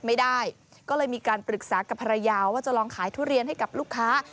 ไม่ได้ก็เลยมีการปรึกษากับภรรยาว่าจะลองขายทุเรียนให้กับลูกค้า